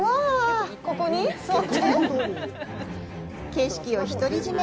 景色をひとり占め。